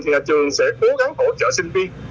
nhà trường sẽ cố gắng hỗ trợ sinh viên